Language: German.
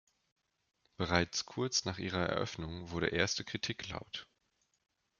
Bereits kurz nach ihrer Eröffnung wurde erste Kritik laut.